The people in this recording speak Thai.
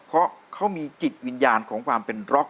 เพราะเขามีจิตวิญญาณของความเป็นร็อก